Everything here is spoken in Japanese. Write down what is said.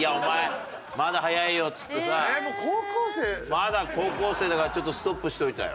まだ高校生だからちょっとストップしといたよ。